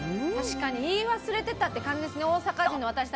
言い忘れてたって感じですね。